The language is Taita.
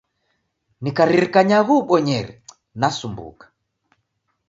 Nikaririkanya agho ubonyere nasumbuka.